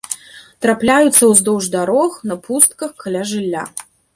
Трапляюцца ўздоўж дарог, на пустках, каля жылля.